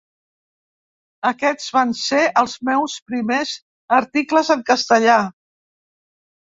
Aquests van ser els meus primers articles en castellà.